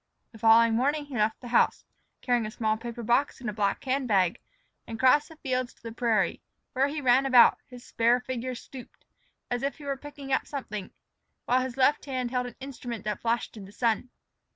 The following morning he left the house, carrying a small paper box and a black hand bag, and crossed the fields to the prairie, where he ran about, his spare figure stooped, as if he were picking something, while his left hand held an instrument that flashed in the sun.